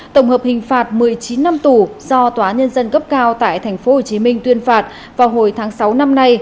tổng hợp hình phạt một mươi chín năm tù do tòa nhân dân cấp cao tại tp hcm tuyên phạt vào hồi tháng sáu năm nay